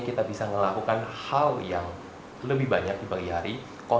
kita bisa melakukan hal yang lebih banyak di pagi hari